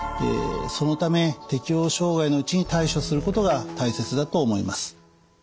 そのため適応障害のうちに対処することが大切だと思います。